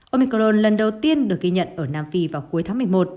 omicron lần đầu tiên được ghi nhận ở nam phi vào cuối tháng một mươi một